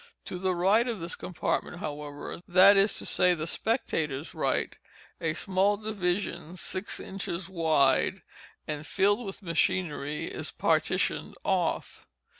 To the right of this compartment, however, (that is to say the spectators' right) a small division, six inches wide, and filled with machinery, is partitioned off.